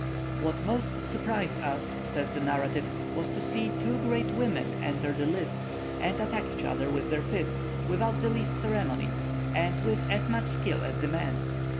"What most surprised us," says the narrative, "was to see two great women enter the lists, and attack each other with their fists, without the least ceremony, and with as much skill as the men.